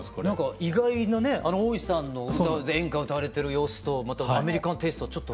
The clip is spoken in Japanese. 意外なねおおいさんの演歌歌われてる様子とアメリカンテーストはちょっと。